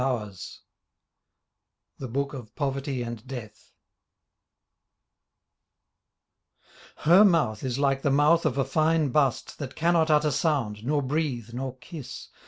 62 The Bool^ of Poverty and Death Her mouth is like the mouth of a fine bust That cannot utter sound, nor breathe, nor kiss.